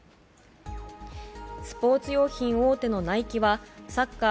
スポーツ用品大手のナイキはサッカー